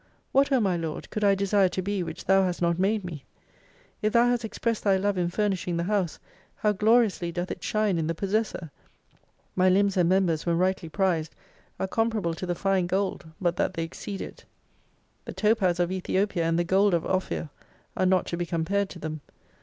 What O my Lord, could I desire to be which Thou hast not made me ! If Thou hast expressed Thy love in furnishing the house, how gloriously doth it shine in the possessor ! My limbs and members when rightly prized, are comparable to the fine gold, but that they exceed it. The topaz of 47 Ethiopia and the gold of Ophir are not to be compared to them.